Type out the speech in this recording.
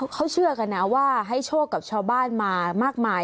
เขาเชื่อกันนะว่าให้โชคกับชาวบ้านมามากมาย